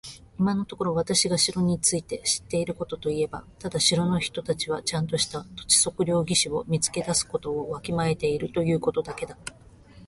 今のところ私が城について知っていることといえば、ただ城の人たちはちゃんとした土地測量技師を見つけ出すことをわきまえているということだけだ。